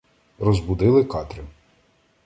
Розбудили Катрю.